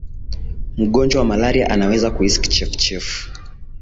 mgonjwa wa malaria anaweza kuhisi kichefuchefu